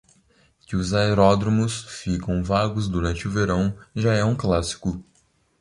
Que os aeródromos ficam vagos durante o verão, já é um clássico.